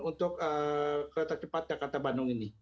untuk kereta cepat jakarta bandung ini